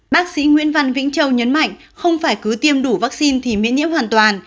bác sĩ nguyễn văn vĩnh châu nhấn mạnh không phải cứ tiêm đủ vaccine thì miễn nhiễm hoàn toàn